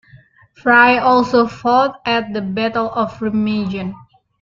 Frye also fought at the Battle of Remagen.